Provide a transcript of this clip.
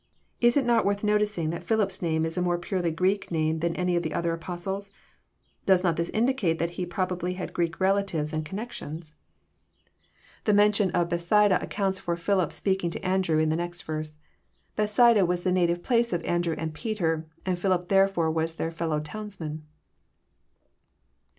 — Is it not worth noticing that Philip's name is a more purely Greek name than that of any of the apostles ? Does not this indicate that he probably had Greek relatives and connections? 836 EXPOSITORY THOUGHTS. The mention of Bethsaida accounts for Fbilip speaking to Andrew, in the next verse. Bethsaida was the native place of Andrew and Peter, and Philip therefore was their fellow towns man.